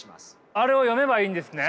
あれを読めばいいんですね？